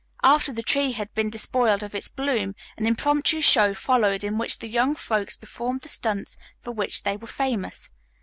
After the tree had been despoiled of its bloom, an impromptu show followed in which the young folks performed the stunts for which they were famous.